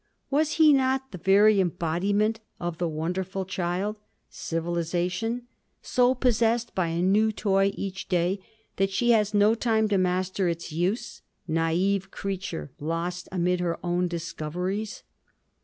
Was he not the very embodiment of the wonderful child, Civilisation, so possessed by a new toy each day that she has no time to master its use—naive creature lost amid her own discoveries!